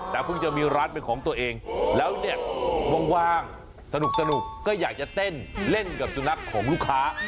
แต่เพิ่งจะมีร้านเป็นของตัวเองแล้วเนี่ยว่างสนุกก็อยากจะเต้นเล่นกับสุนัขของลูกค้า